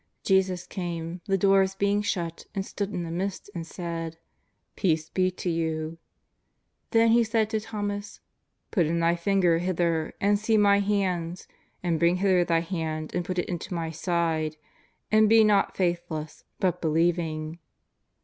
Jesus came, the doors being shut, and stood in the midst and said :^^ Peace be to you." Then He said to Thomas :" Put in thy finger hither, and see My hands, and bring hither thy hand and put it into My side, and be not faithless, but be lieving.''